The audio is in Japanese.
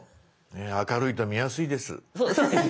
明るいと見やすいです。